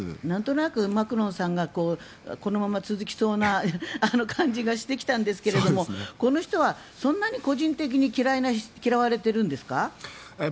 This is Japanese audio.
なんとなくマクロンさんがこのまま続きそうな感じがしてきたんですがこの人はそんなに個人的に嫌われているんですか？